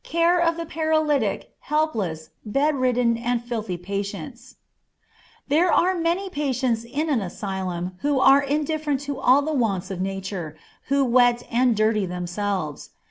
Care of the Paralytic, Helpless, Bedridden, and Filthy Patients. There are many patients in an asylum who are indifferent to all the wants of nature, who wet and dirty themselves.